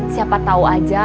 siapa tahu aja